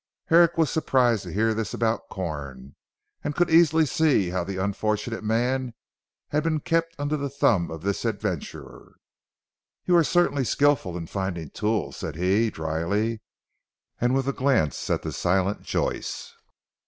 Herrick was surprised to hear this about Corn, and could easily see how the unfortunate man had been kept under the thumb of this adventurer. "You are certainly skilful in finding tools," said he dryly and with a glance at the silent Joyce.